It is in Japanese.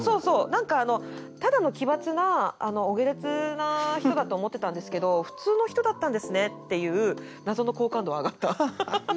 何かただの奇抜なお下劣な人だと思ってたんですけど普通の人だったんですねっていう謎の好感度上がった。